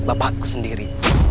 termasuk bapakku sendiri